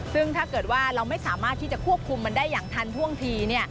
ซึ่งถ้าเกิดว่าเราไม่สามารถที่จะควบคุมมันได้อย่างทันท่วงที